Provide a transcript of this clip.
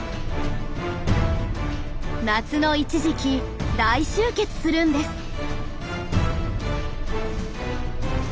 夏の一時期大集結するんです。